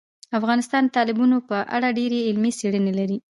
افغانستان د تالابونو په اړه ډېرې علمي څېړنې لري.